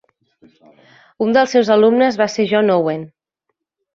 Un dels seus alumnes va ser John Owen.